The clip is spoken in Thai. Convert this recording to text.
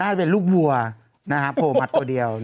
น่าจะเป็นลูกวัวนะครับโผล่มัดตัวเดียว